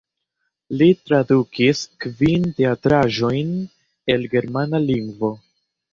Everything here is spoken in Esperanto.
Li tradukis kvin teatraĵojn el germana lingvo.